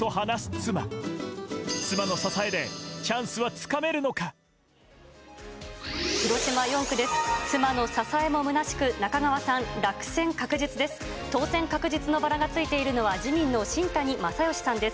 妻の支えもむなしく、中川さん、落選確実です。